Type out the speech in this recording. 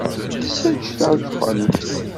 Ẓečč tadxent!